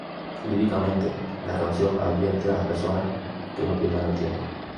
Líricamente, la canción advierte a las personas que no pierdan el tiempo.